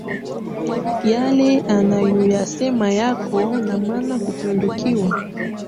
Yale anayoyasema yako na maana kupindukia